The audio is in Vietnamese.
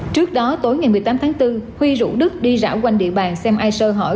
trước đó tối ngày một mươi tám tháng bốn huy rủ đức đi rảo quanh địa bàn xem ai sơ hỏi